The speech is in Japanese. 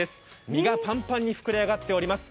身がパンパンに膨れ上がっております。